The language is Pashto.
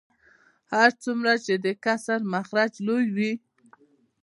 هر څومره چې د کسر مخرج لوی وي